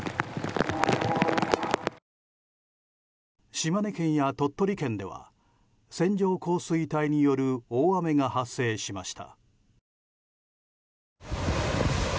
島根県や鳥取県では線状降水帯による大雨が発生しました。